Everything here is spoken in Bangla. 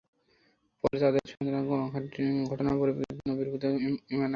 পরে তাদের সন্তানরা কোন ঘটনার পরিপ্রেক্ষিতে নবীর প্রতি ঈমান আনয়ন করে।